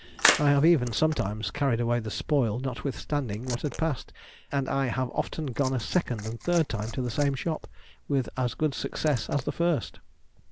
I have even sometimes carried away the spoil notwithstanding what had passed; and I have often gone a second and third time to the same shop, with as good success as at the first.